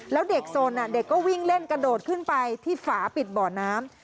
แล้วเด็กสนเด็กก็วิ่งเล่นกระโดดขึ้นไปที่ฝาปิดบ่อน้ำ